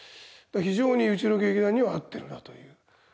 非常にうちの劇団には合ってるなという。